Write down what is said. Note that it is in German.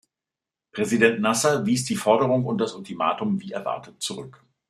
Präsident Nasser wies die Forderung und das Ultimatum wie erwartet zurück.